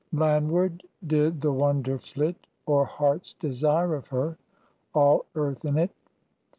Landward did the wonder flit, Or heart's desire of her, all earth in it.